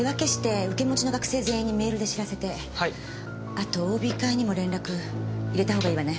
あとＯＢ会にも連絡入れたほうがいいわね。